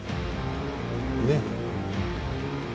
ねっ？